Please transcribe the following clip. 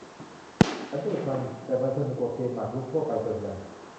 ฉันดูดมัน แต่มันสนุกกว่าเกมหมากรุกทั่วไปส่วนใหญ่